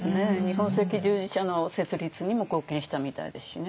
日本赤十字社の設立にも貢献したみたいですしね。